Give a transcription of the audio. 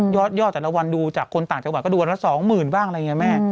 ยอดแต่ละวันดูจากคนต่างจังหวัดก็ดูวันละ๒๐๐๐บ้างอะไรอย่างนี้แม่